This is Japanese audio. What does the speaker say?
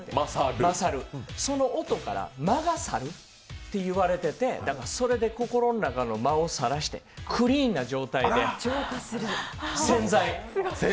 その音から、魔が去ると言われていてそれで心の中の魔を去らせて、クリーンな状態で、洗剤！